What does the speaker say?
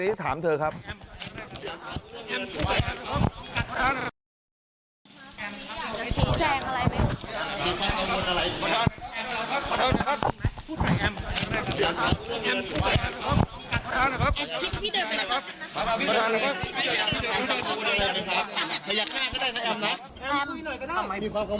แห่งสิทธิ์วิทยาลัยเบื้อง